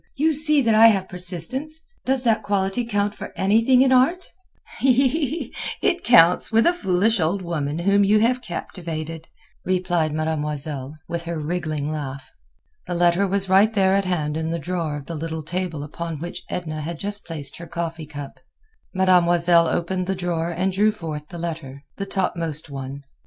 You see that I have persistence. Does that quality count for anything in art?" "It counts with a foolish old woman whom you have captivated," replied Mademoiselle, with her wriggling laugh. The letter was right there at hand in the drawer of the little table upon which Edna had just placed her coffee cup. Mademoiselle opened the drawer and drew forth the letter, the topmost one.